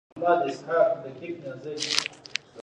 د نړۍ هېوادونه به زموږ درناوی کوي.